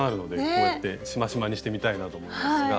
こうやってしましまにしてみたいなと思いますが。